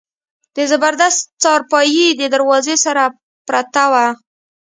د زبردست څارپايي د دروازې سره پرته وه.